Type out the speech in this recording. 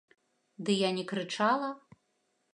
Ды я не крычала.